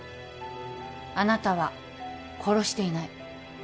あなたは殺していない。